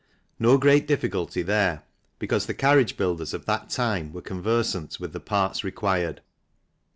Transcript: No great difficulty there, because the carriage builders of that time were conversant with the parts required.